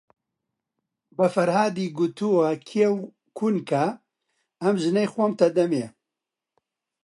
بە فەرهادی گوتووە کێو کون کە، ئەم ژنەی خۆمتە ئەدەمێ؟